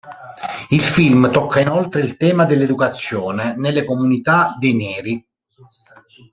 Il film tocca inoltre il tema dell'educazione nelle comunità dei neri.